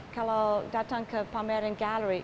kalau datang ke pameran gallery